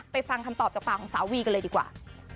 ฟังคำตอบจากปากของสาววีกันเลยดีกว่า